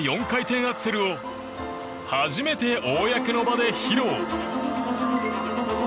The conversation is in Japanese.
４回転アクセルを初めて公の場で披露。